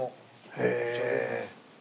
へえ。